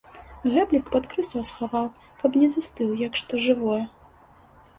Гэблік пад крысо схаваў, каб не застыў, як што жывое.